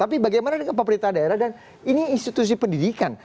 tapi bagaimana dengan pemerintah daerah dan ini institusi pendidikan